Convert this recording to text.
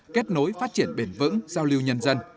kết nối phát triển bền vững giao lưu nhân dân